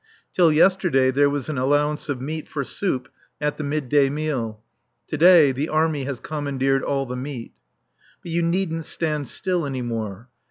Till yesterday there was an allowance of meat for soup at the mid day meal; to day the army has commandeered all the meat. But you needn't stand still any more.